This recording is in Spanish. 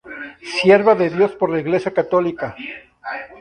Sierva de Dios por la Iglesia católica.